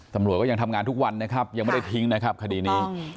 ตำรวจก็ยังทำงานทุกวันนะครับยังไม่ได้ทิ้งนะครับคดีนี้